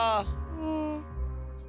うん。